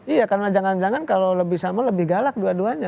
iya karena jangan jangan kalau lebih sama lebih galak dua duanya